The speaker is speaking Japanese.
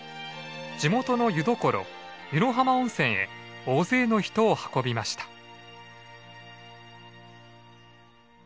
地元の湯どころ湯野浜温泉へ大勢の人を運びました。